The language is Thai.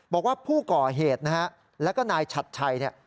บอกว่าผู้ก่อเหตุนะฮะแล้วก็นายฉัดชัยเนี่ย